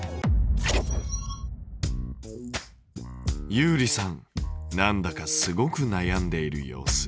ゆうりさんなんだかすごくなやんでいる様子。